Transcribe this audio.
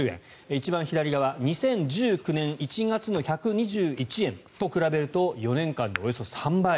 一番左側、２０１９年１月の１２１円と比べると４年間でおよそ３倍。